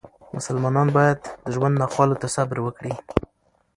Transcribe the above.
مسلمانان باید د ژوند ناخوالو ته صبر وکړي.